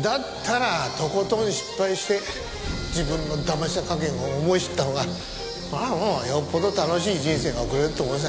だったらとことん失敗して自分の駄目さ加減を思い知ったほうがよっぽど楽しい人生が送れるってものさ。